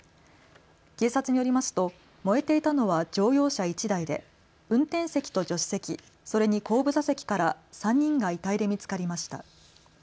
警察によりますと燃えていたのは乗用車１台で運転席と助手席、それに後部座席から３人が遺体で見つかりました。